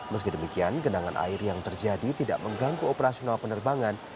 meski demikian genangan air yang terjadi tidak mengganggu operasional penerbangan